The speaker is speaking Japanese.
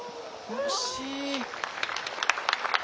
惜しい。